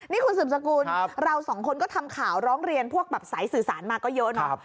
นี่คุณสืบสกุลเราสองคนก็ทำข่าวร้องเรียนพวกแบบสายสื่อสารมาก็เยอะเนาะ